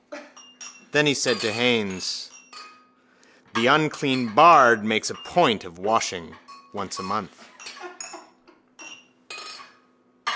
Then he said to Haines: —The unclean bard makes a point of washing once a month.